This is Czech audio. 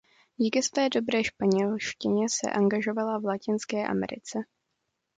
Díky své dobré španělštině se angažovala v Latinské Americe.